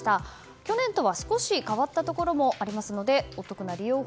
去年とは少し変わったところもありますのでお得な利用法